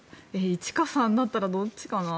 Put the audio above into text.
１か３だったらどっちかな。